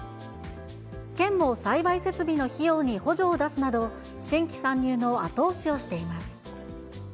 県も栽培設備の費用に補助を出すなど、新規参入の後押しをしています。